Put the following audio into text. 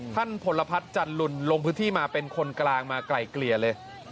พลพัฒน์จันลุนลงพื้นที่มาเป็นคนกลางมาไกลเกลี่ยเลย